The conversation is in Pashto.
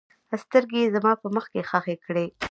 سترګې یې زما په مخ کې ښخې کړې.